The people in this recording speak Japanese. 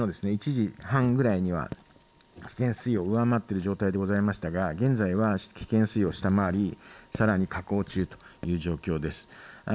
１時半ぐらいには危険水位を上回っている状況でしたが現在は危険水位を下回りさらに下降中という状況です。